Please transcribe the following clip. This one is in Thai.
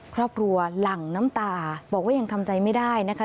หลั่งน้ำตาบอกว่ายังทำใจไม่ได้นะคะ